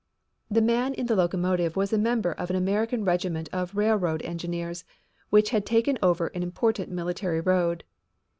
The man in the locomotive was a member of an American regiment of railroad engineers which had taken over an important military road.